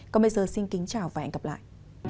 còn bây giờ xin kính chào và hẹn gặp lại